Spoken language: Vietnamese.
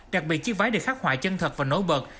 đặc biệt chiếc váy được khắc hoại chân thật và nối bật